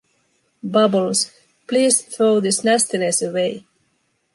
Bubbles, please throw this nastiness away.